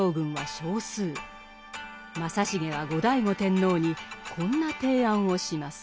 正成は後醍醐天皇にこんな提案をします。